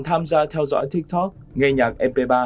tham gia theo dõi tiktok nghe nhạc mp ba